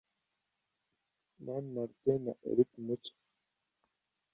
Mani Martin na Eric Mucyo